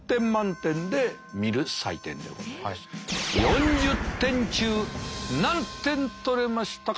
４０点中何点取れましたか。